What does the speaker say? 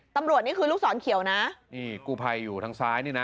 นี่คือลูกศรเขียวนะนี่กูภัยอยู่ทางซ้ายนี่นะ